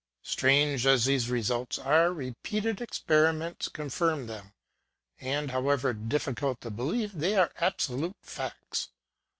Strange as these results are, repeated ex periments confirmed them ; and, however difficult to believe, they are absolute facts.